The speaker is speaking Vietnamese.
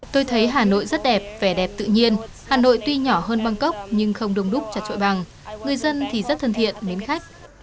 tôi thấy hà nội rất đẹp vẻ đẹp tự nhiên hà nội tuy nhỏ hơn bangkok nhưng không đông đúc chặt trội bằng người dân thì rất thân thiện mến khách